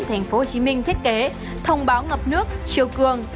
thành phố hồ chí minh thiết kế thông báo ngập nước chiều cường